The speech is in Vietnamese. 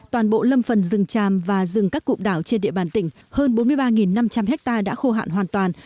toàn bộ lâm phần rừng tràm và rừng các cụm đảo trên địa bàn tỉnh hơn bốn mươi ba năm trăm linh ha đã khô hạn hoàn toàn